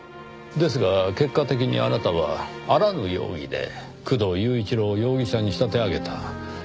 ですが結果的にあなたはあらぬ容疑で工藤雄一郎を容疑者に仕立て上げた。